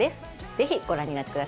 ぜひご覧になってください。